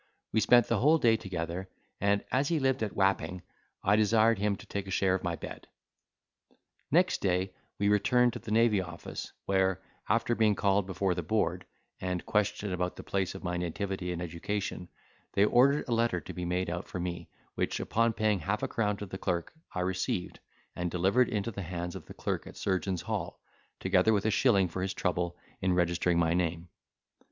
We spent the whole day together; and as he lived at Wapping I desired him to take a share of my bed. Next day we returned to the Navy Office, where, after being called before the Board, and questioned about the place of my nativity and education, they ordered a letter to be made out for me, which, upon paying half a crown to the clerk, I received, and delivered into the hands of the clerk at Surgeons' Hall, together with a shilling for his trouble in registering my name.